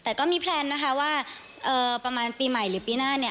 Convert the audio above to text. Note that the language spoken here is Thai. แต่ก็มีแพลนนะคะว่าประมาณปีใหม่หรือปีหน้าเนี่ย